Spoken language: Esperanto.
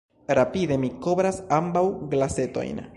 Rapide mi kovras ambaŭ glasetojn.